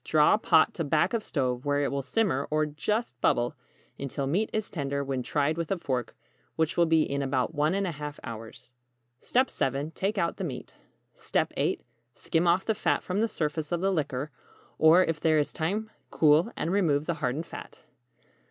] 6. Draw pot to back of stove where it will simmer, or just bubble, until meat is tender when tried with a fork, which will be in about 1½ hours. 7. Take out the meat. 8. Skim off the fat from the surface of the liquor; or if there is time, cool, and remove the hardened fat.